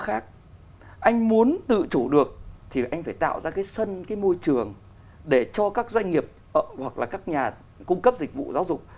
anh muốn tự chủ được thì anh phải tạo ra cái sân cái môi trường để cho các doanh nghiệp hoặc là các nhà cung cấp dịch vụ giáo dục